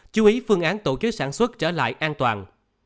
chú ý phương án tổ chức sản xuất trở lại an toàn